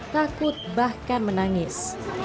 takut bahkan menangis